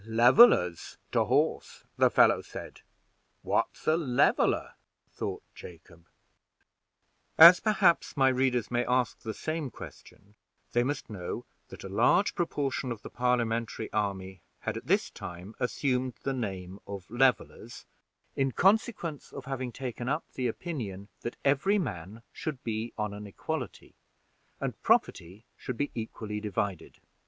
'Levelers, to horse!' the fellow said. What's a Leveler?" thought Jacob. As perhaps my readers may ask the same question, they must know that a large proportion of the Parliamentary army had at this time assumed the name of Levelers, in consequence of having taken up the opinion that every man should be on an equality, and property should be equally divided.